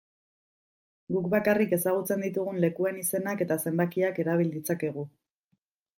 Guk bakarrik ezagutzen ditugun lekuen izenak eta zenbakiak erabil ditzakegu.